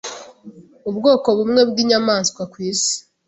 ubwoko bumwe bw’inyamaswa ku isi